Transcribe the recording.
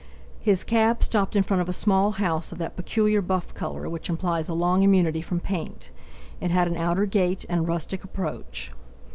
His cab stopped in front of a small house of that peculiar buff colour which implies a long immunity from paint. It had an outer gate, and a rustic approach.